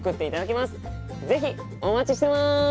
是非お待ちしてます。